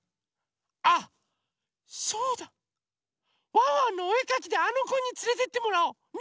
「ワンワンのおえかき」であのこにつれてってもらおう！ね！